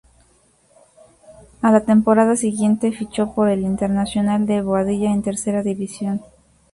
A la temporada siguiente fichó por el Internacional de Boadilla en Tercera División.